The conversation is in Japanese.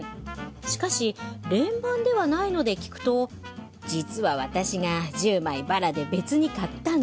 しかし連番ではないので聞くと「実は私が１０枚バラで別に買ったの。